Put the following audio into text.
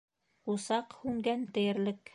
Усаҡ һүнгән тиерлек.